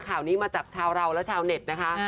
ข่าวนี้มาจากชาวเราและชาวเน็ตนะคะ